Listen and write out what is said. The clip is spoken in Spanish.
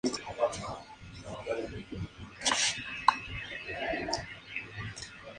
Dan y Rorschach viajan a la fortaleza antártica de Ozymandias.